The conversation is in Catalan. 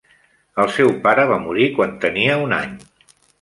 El seu pare va morir quan tenia un any.